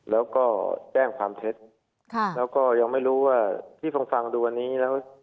แล้วก็แจ้งความเท็จแล้วก็ยังไม่รู้ว่าที่ผมฟังดูวันนี้แล้ว